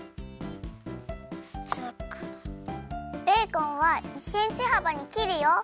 ベーコンは１センチはばにきるよ！